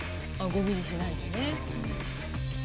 あっゴミにしないでね。